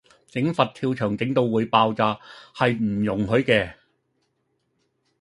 整佛跳牆整到會爆炸，係唔容許嘅